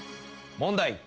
問題。